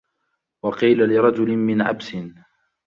وَقِيلَ لِرَجُلٍ مِنْ عَبْسٍ